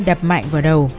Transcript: đập mạnh vào đầu